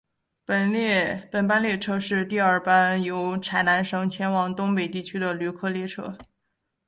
本班列车是第二班由海南省前往东北地区的旅客列车。